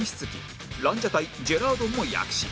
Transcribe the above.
ランジャタイジェラードンも躍進